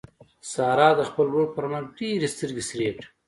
سارا د خپل ورور پر مرګ ډېرې سترګې سرې کړې.